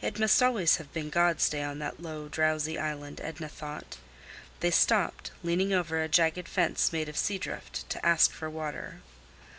It must always have been God's day on that low, drowsy island, Edna thought. They stopped, leaning over a jagged fence made of sea drift, to ask for water.